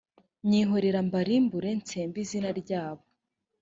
nyihorera mbarimbure ntsembe izina ryabo